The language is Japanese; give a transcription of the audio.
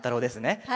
はい。